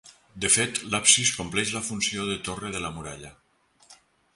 De fet, l'absis compleix la funció de torre de la muralla.